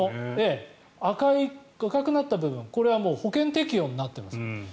赤くなった部分これは保険適用になってます。